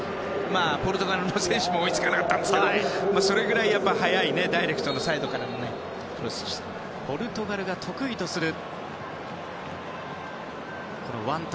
ポルトガルの選手も追いつかなかったんですけどそれぐらい速い、ダイレクトのサイドからのクロスでした。